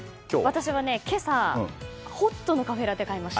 私は今朝、ホットのカフェラテ買いました。